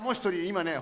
今ね